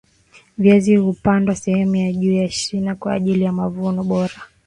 viazi hupandwa sehemu ya juu ya shina kwa ajili ya mavuno bora